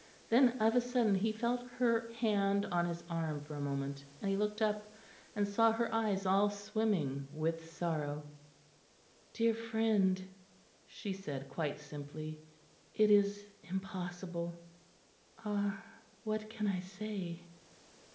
Then of a sudden he felt her hand on his arm for a moment, and he looked up, and saw her eyes all swimming with sorrow. "Dear friend," she said quite simply, "it is impossible Ah! what can I say?"